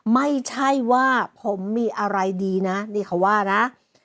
ไม่ใช่ว่าผมมีอะไรดีนะนี่เขาว่านะ